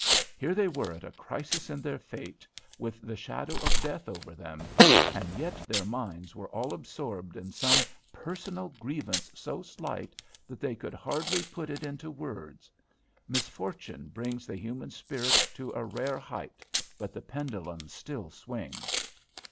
Here they were at a crisis in their fate, with the shadow of death above them, and yet their minds were all absorbed in some personal grievance so slight that they could hardly put it into words. Misfortune brings the human spirit to a rare height, but the pendulum still swings.